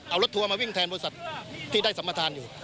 เอารถทัวร์มาวิ่งแทนบริษัทที่ได้สัมประธานอยู่